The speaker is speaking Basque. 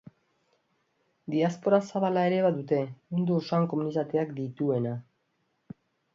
Diaspora zabala ere badute, mundu osoan komunitateak dituena.